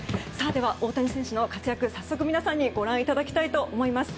では、大谷選手の活躍を早速ご覧いただきたいと思います。